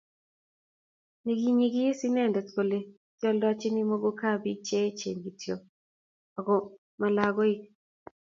nekiinyekis inende kole kioldochini muguka biik che echen kityo ako mo lakoik